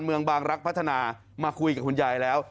เมืองบางรักพัฒนามาคุยกับคุณยายแล้ว